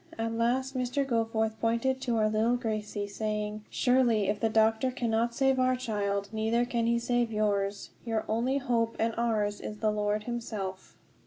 At last Mr. Goforth pointed to our little Gracie, saying: "Surely, if the doctor cannot save our child, neither can he save yours; your only hope and ours is in the Lord himself."